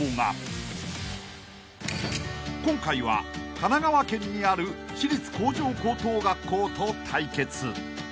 ［今回は神奈川県にある私立向上高等学校と対決］